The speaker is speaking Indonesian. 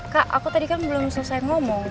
kak aku tadi kan belum selesai ngomong